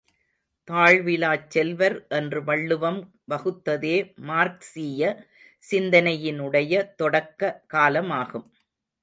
தாழ்விலாச் செல்வர் என்று வள்ளுவம் வகுத்ததே, மார்க்சீய சிந்தனையினுடைய தொடக்க காலமாகும்.